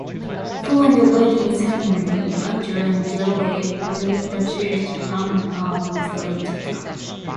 Following the wedding ceremony, Andrew and Dudley leave the church arm-in-arm with Letitia.